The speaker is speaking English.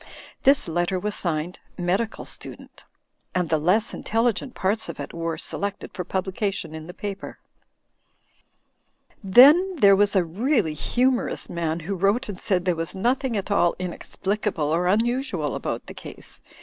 This letter was signed "Medical Student," and the less in telligent parts of it were selected for publication in the piper. Then there was a really humorous man, who wrote and said there was nothing at all inexplicable or un usual about the case.